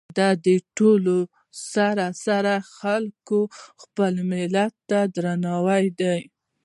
د دې ټولو سره سره خلکو خپل ملت ته درناوي درلود.